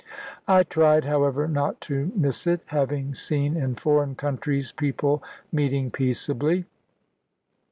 I tried, however, not to miss it, having seen in foreign countries people meeting peaceably.